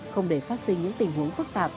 không để phát sinh những tình huống phức tạp